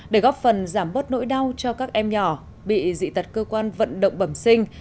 để góp phần giảm bớt nỗi đau cho các em nhỏ bị dị tật cơ quan vận động bẩm sinh